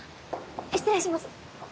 失礼します。